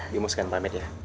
bimu sekian pamit ya